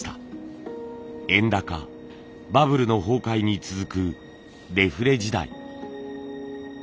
円高バブルの崩壊に続くデフレ時代。